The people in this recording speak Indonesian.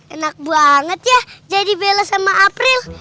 enak banget ya jadi bela sama april